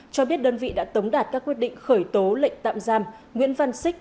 cho biết đơn vị đã tống đạt các quyết định khởi tố lệnh tạm giam nguyễn văn xích